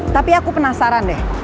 tapi aku penasaran deh